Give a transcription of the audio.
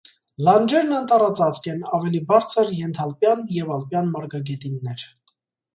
Լանջերն անտառածածկ են, ավելի բարձր՝ ենթալպյան և ալպյան մարգագետիններ։